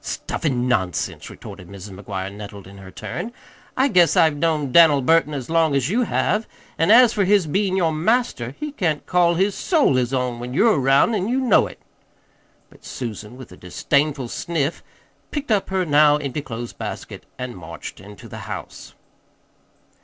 "Stuff an' nonsense!" retorted Mrs. McGuire nettled in her turn. "I guess I've known Dan'l Burton as long as you have; an' as for his bein' your master he can't call his soul his own when you're around, an' you know it." But Susan, with a disdainful sniff, picked up her now empty clothes basket and marched into the house.